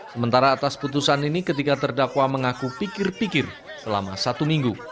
sementara atas putusan ini ketika terdakwa mengaku pikir pikir selama satu minggu